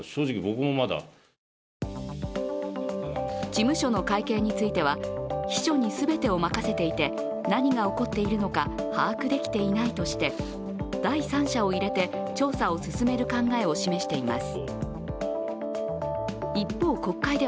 事務所の会計については秘書に全てを任せていて何が起こっているのか把握できていないとして第三者を入れて、調査を進める考えを示しています。